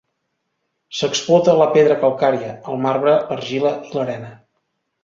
S'explota la pedra calcària, el marbre, l'argila i l'arena.